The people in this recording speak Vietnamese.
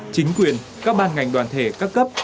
chính quyền các ban ngành đoàn thể các cấp